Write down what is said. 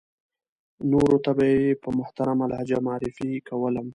نورو ته به یې په محترمه لهجه معرفي کولم.